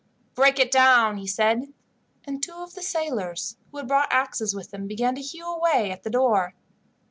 "Break it down!" he said; and two of the sailors, who had brought axes with them, began to hew away at the door.